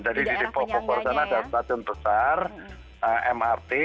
jadi di depok pokor sana ada stasiun besar mrt